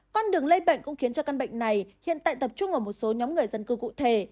con đường lây bệnh cũng khiến cho căn bệnh này hiện tại tập trung ở một số nhóm người dân cư cụ thể